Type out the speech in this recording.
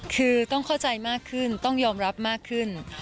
คือต้องเข้าใจมากขึ้นต้องยอมรับมากขึ้น